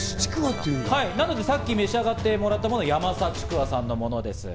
なのでさっき召し上がってもらったのがヤマサちくわさんのものです。